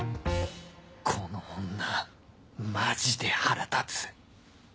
この女マジで腹立つ